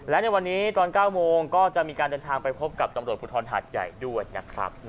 และในวันนี้ตอน๙โมงก็จะมีการเดินทางไปพบกับตำรวจภูทรหาดใหญ่ด้วยนะครับ